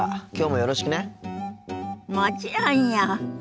もちろんよ。